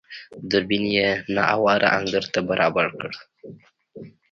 دوربين يې نااواره انګړ ته برابر کړ.